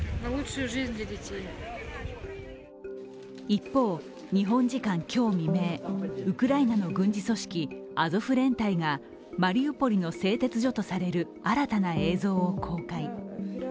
一方、日本時間今日未明、ウクライナの軍事組織・アゾフ連隊がマリウポリの製鉄所とされる新たな映像を公開。